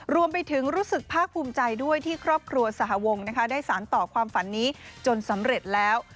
รวมไปถึงรู้สึกภาคภูมิใจด้วยที่ครอบครัวสหวงได้สารต่อความฝันนี้จนสำเร็จแล้ว